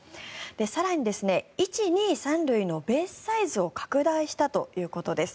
更に、１、２、３塁のベースサイズを拡大したということです。